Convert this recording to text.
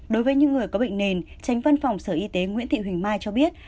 đối với những người có bệnh nền tránh văn phòng sở y tế nguyễn thị huỳnh mai cho biết